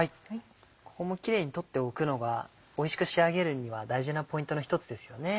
ここもキレイに取っておくのがおいしく仕上げるには大事なポイントの一つですよね。